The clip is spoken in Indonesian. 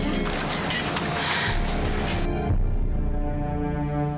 kamu udah pulang zahira